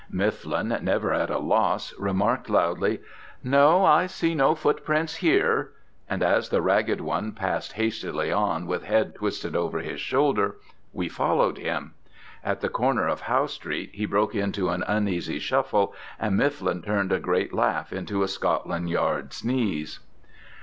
Mifflin, never at a loss, remarked loudly "No, I see no footprints here," and as the ragged one passed hastily on with head twisted over his shoulder, we followed him. At the corner of Howe Street he broke into an uneasy shuffle, and Mifflin turned a great laugh into a Scotland Yard sneeze.